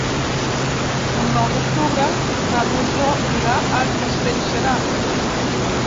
El nou d'octubre na Rosó irà a Castellserà.